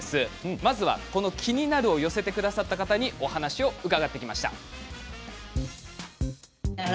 まずは「キニナル」を寄せてくださった方にお話を伺ってきました。